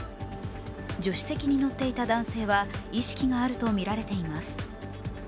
助手席に乗っていた男性は意識があるとみられています。